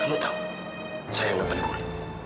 kamu tahu saya nggak peduli